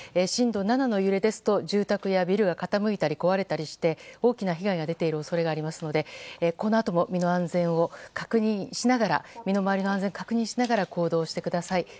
震度７の揺れですと住宅やビルが傾いたり壊れたりして大きな被害が出ている恐れがありますので、身の安全を確認しながら行動してください。